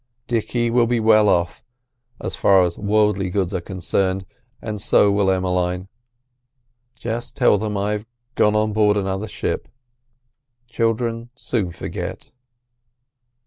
Dicky will be well off, as far as worldly goods are concerned, and so will Emmeline. Just tell them I've gone on board another ship—children soon forget."